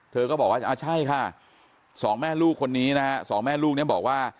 เธอก็บอกว่าอ่าใช่ค่ะสองแม่ลูกคนนี้นะฮะสองแม่ลูกเนี่ยบอกว่า